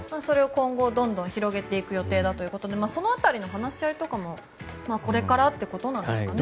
今後どんどん広げていくということでその辺りの話し合いもこれからということなんですかね。